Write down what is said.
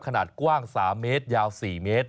ขนาดกว้าง๓เมตรยาว๔เมตร